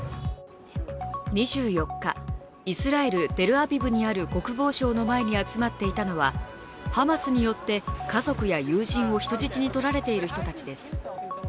２４日、イスラエル・テルアビブにある国防省の前に集まっていたのはハマスによって家族や友人を人質にとられている人たちです。